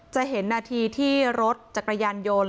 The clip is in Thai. จะเห็นนาทีที่รถจักรยานยนต์